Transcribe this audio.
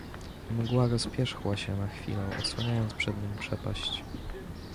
"Mgła rozpierzchła się na chwilę, odsłaniając przed nim przepaść."